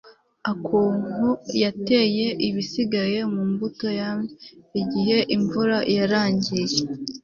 okonkwo yateye ibisigaye mu mbuto-yams igihe imvura yarangiye